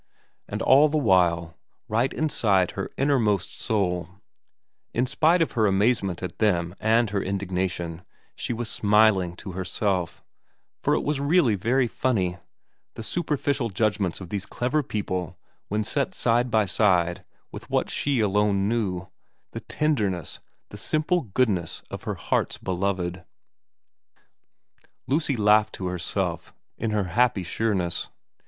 And all the while, right inside her innermost soul, in spite of her amazement at them and her indignation, she was smiling to herself ; for it was really very funny, the superficial judgments of these clever people when set side by side with what she alone knew, the tenderness, the simple goodness of her heart's beloved. Lucy laughed to herself in her happy sureness.